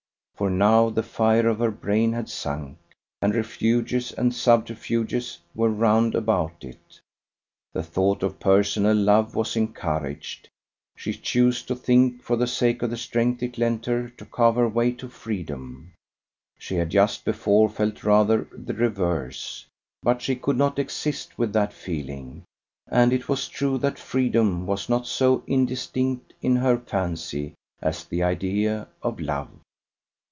For now the fire of her brain had sunk, and refuges and subterfuges were round about it. The thought of personal love was encouraged, she chose to think, for the sake of the strength it lent her to carve her way to freedom. She had just before felt rather the reverse, but she could not exist with that feeling; and it was true that freedom was not so indistinct in her fancy as the idea of love.